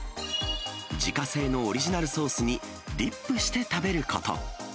自家製のオリジナルソースにディップして食べること。